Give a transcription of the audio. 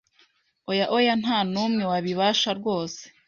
Oya oya ntanumwe wabibasha rwose